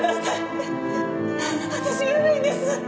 私が悪いんです！